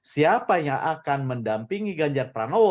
siapa yang akan mendampingi ganjar pranowo